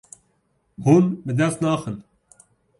Hûn bi dest naxin.